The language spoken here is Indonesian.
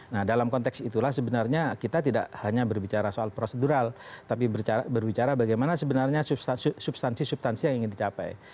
nah dalam konteks itulah sebenarnya kita tidak hanya berbicara soal prosedural tapi berbicara bagaimana sebenarnya substansi substansi yang ingin dicapai